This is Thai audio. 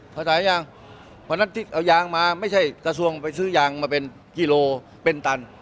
เขาจ่ายยางพอนั้นเอายางมาไม่ใช่กระทรวงไปซื้อยางมาเป็นกิโลเป็นตัน